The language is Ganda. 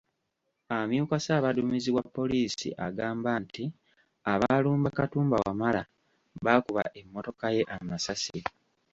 Amyuka ssaabadumizi wa poliisi agamba nti abaalumba Katumba Wamala baakuba emmotoka ye amasasi.